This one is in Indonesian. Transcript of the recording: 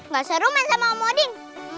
gak seru main sama om odin